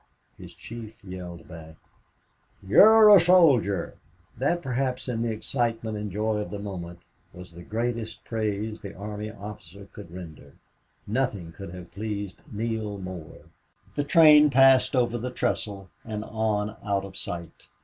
His chief yelled back, "You're a soldier!" That perhaps in the excitement and joy of the moment was the greatest praise the army officer could render. Nothing could have pleased Neale more. The train passed over the trestle and on out of sight.